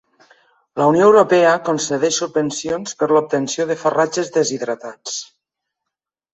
La Unió Europea concedeix subvencions per l'obtenció de farratges deshidratats.